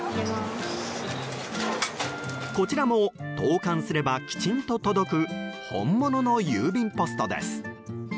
こちらも投函すればきちんと届く本物の郵便ポストです。